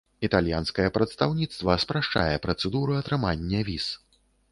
Італьянскае прадстаўніцтва спрашчае працэдуру атрымання віз.